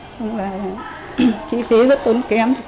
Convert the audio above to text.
xong rồi là chi phí rất tốn kém